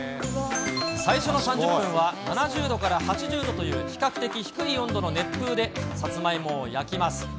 最初の３０分は７０度から８０度という、比較的低い温度の熱風で、さつまいもを焼きます。